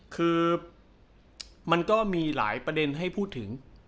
คือมันก็มีหลายประเด็นให้พูดถึง